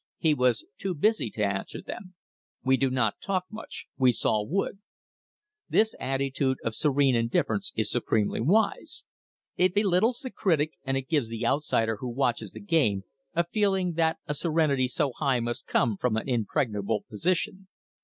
He was too busy to answer them. "We do not talk much we saw wood." This attitude of serene indifference is supremely wise. It belittles the critic and it gives the outsider who watches the game a feeling that a serenity so high must come from an impregnable position.